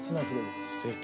すてき。